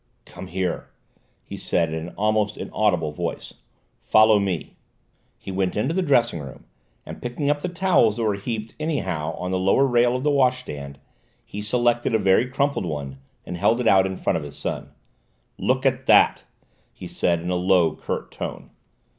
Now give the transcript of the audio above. "Come here," he said in an almost inaudible voice; "follow me." He went into the dressing room, and picking up the towels that were heaped anyhow on the lower rail of the washstand, he selected a very crumpled one and held it out in front of his son. "Look at that!" he said in a low, curt tone.